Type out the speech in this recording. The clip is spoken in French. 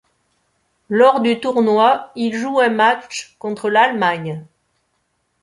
Lors du tournoi, il joue un match contre l'Allemagne.